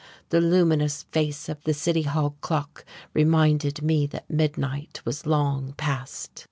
The luminous face of the city hall clock reminded me that midnight was long past....